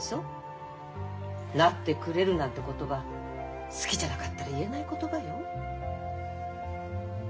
なってくれるなんて言葉好きじゃなかったら言えない言葉よ。